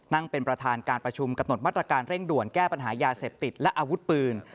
นั่งเป็นประธานการประชุมกำหนดมาตรการเร่งด่วนแก้ปัญหายาเสพติดและอาวุธปืน